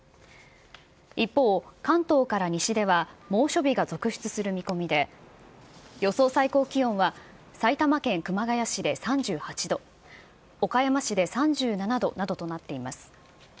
一方、関東から西では猛暑日が続出する見込みで、予想最高気温は、埼玉県熊谷市で３８度、岡山市で３７度などとなっています。